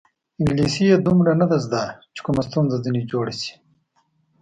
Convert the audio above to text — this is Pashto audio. انګلیسي یې دومره نه ده زده چې کومه ستونزه ځنې جوړه شي.